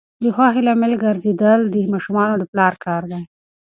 د خوښۍ لامل ګرځیدل د ماشومانو د پلار کار دی.